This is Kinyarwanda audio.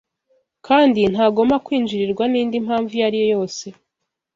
kandi ntagomba kwinjirirwa n’ indi mpamvu iyo ariyo yose